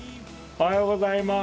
おはようございます。